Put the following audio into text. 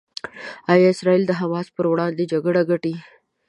ایا اسرائیل د حماس پر وړاندې جګړه ګټي؟